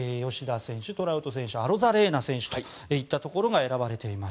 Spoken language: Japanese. トラウト選手、ペレス選手アロザレーナ選手といったところが選ばれています。